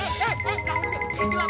eh eh erang lu